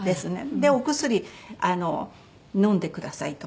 でお薬飲んでくださいと。